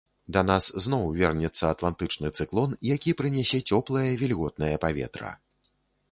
Да нас зноў вернецца атлантычны цыклон, які прынясе цёплае вільготнае паветра.